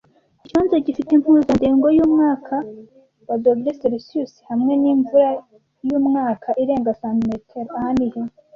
Ikibanza gifite impuzandengo yumwaka wa °C hamwe nimvura yumwaka irenga cm Aha ni he